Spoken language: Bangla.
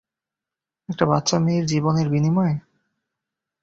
একটা বাচ্চা মেয়ের জীবনের বিনিময়ে!